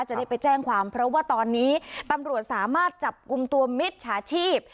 จะได้ไปแจ้งความเพราะว่าตอนนี้ตำรวจสามารถจับกลุ่มตัวมิจฉาชีพ